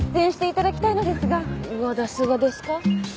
わだすがですか？